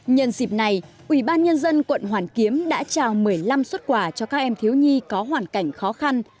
nhân dịp này ủy ban nhân dân quận hoàn kiếm đã trao một mươi năm xuất quà cho các em thiếu nhi có hoàn cảnh khó khăn